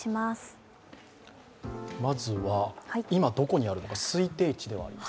まずは今どこにあるのか、推定値であります。